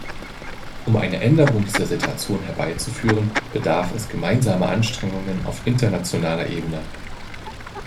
Um eine Änderung dieser Situation herbeizuführen, bedarf es gemeinsamer Anstrengungen auf internationaler Ebene.